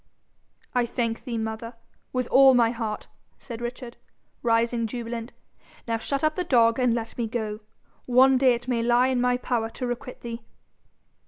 'I thank thee, mother, with all my heart,' said Richard, rising jubilant. 'Now shut up the dog, and let me go. One day it may lie in my power to requite thee.'